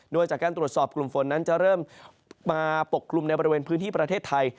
โดยการตรวจสอบว่ากลุ่มฝนให้กลุ่มปกกลุ่มในประเทศไทย